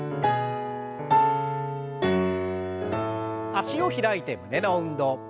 脚を開いて胸の運動。